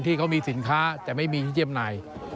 ที่เขามีสินค้าแต่ไม่มีที่เยี่ยมนาย